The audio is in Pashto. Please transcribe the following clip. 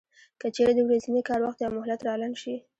که چېرې د ورځني کار وخت یا مهلت را لنډ شي